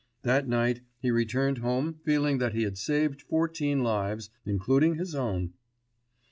That night he returned home feeling that he had saved fourteen lives, including his own.